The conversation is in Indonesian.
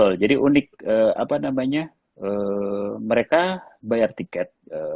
betul jadi unik mereka bayar tiket